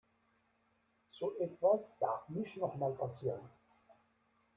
So etwas darf nicht noch mal passieren.